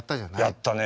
やったね。